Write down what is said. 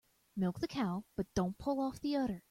Milk the cow but don't pull off the udder.